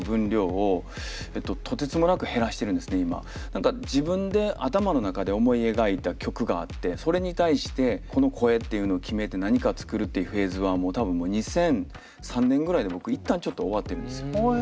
何か自分で頭の中で思い描いた曲があってそれに対してこの声っていうのを決めて何か作るっていうフェーズはもう多分２００３年ぐらいで僕一旦ちょっと終わってるんですよ。